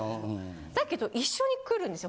だけど一緒に来るんですよ